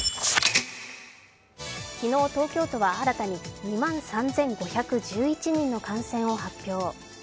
昨日東京都は新たに２万３５１１人の感染を発表。